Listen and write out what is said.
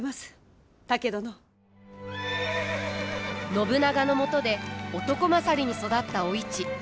信長のもとで男勝りに育ったお市。